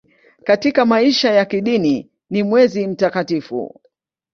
Katika maisha ya kidini ni mwezi mtakatifu.